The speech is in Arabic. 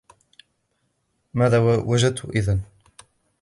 ماذا وجدت إذا؟